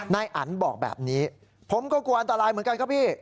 นายอันบอกแบบนี้ผมก็กลัวอันตรายเหมือนกันครับพี่